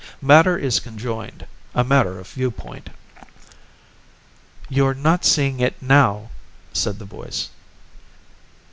Matter is conjoined, a matter of viewpoint." "You're not seeing it now," said the voice.